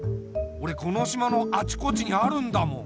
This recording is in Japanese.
おれこの島のあちこちにあるんだもん。